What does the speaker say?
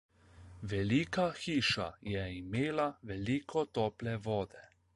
Velika hiša je imela veliko tople vode.